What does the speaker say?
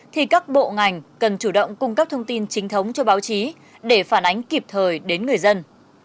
thì các bộ ngành cần chủ động cung cấp thông tin chính thống cho báo chí để phản ánh kịp thời đến người dân